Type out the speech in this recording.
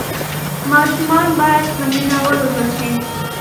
ماشومان باید په مینه وروزل شي.